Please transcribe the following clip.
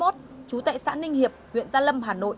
trú tại xã ninh hiệp huyện gia lâm hà nội